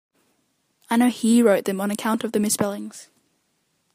I know he wrote them on account of the misspellings.